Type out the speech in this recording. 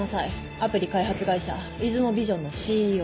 アプリ開発会社ＩＺＵＭＯビジョンのＣＥＯ。